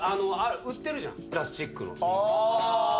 売ってるじゃんプラスチックのリンゴ。